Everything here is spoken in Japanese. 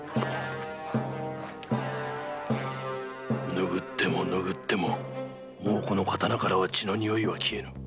拭っても拭ってももうこの刀からは血の匂いは消えぬ